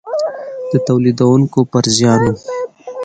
د تولیدوونکو پر زیان و.